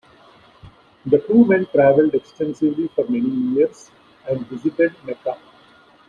The two men travelled extensively for many years and visited Mecca.